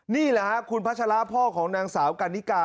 นี่แหละฮะคุณพัชระพ่อของนางสาวกันนิกา